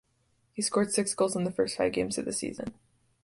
He scored six goals in the first five games of the season.